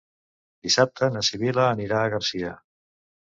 Dissabte na Sibil·la anirà a Garcia.